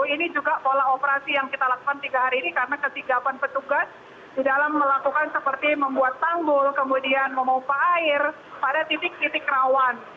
ini juga pola operasi yang kita lakukan tiga hari ini karena ketinggapan petugas di dalam melakukan seperti membuat tanggul kemudian memupah air pada titik titik rawan